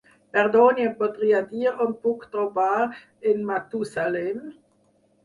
Perdoni, em podria dir on puc trobar en Matusalem?